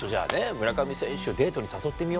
「村上選手をデートに誘ってみようかな。